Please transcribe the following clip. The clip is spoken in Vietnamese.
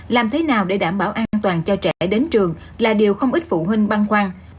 làm thế nào để đảm bảo an toàn cho trẻ đến trường là điều không ít phụ huynh băng khoan